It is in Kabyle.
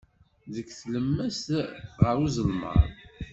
Deg tlemmast ɣer uzelmaḍ.